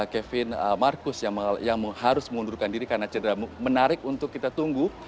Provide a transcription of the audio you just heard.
kevin marcus yang harus mengundurkan diri karena cedera menarik untuk kita tunggu